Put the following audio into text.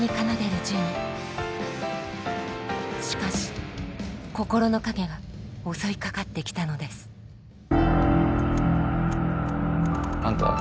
しかし心の影が襲いかかってきたのですあんた